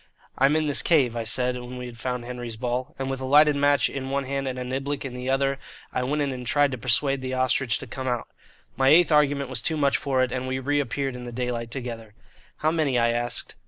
"I'm in this cave," I said, when we had found Henry's ball; and with a lighted match in one hand and a niblick in the other I went in and tried to persuade the "Ostrich" to come out. My eighth argument was too much for it, and we reappeared in the daylight together. "How many?" I asked.